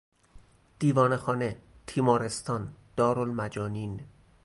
دیوانه خانه، تیمارستان، دارالمجانین